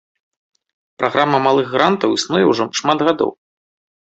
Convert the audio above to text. Праграма малых грантаў існуе ўжо шмат гадоў.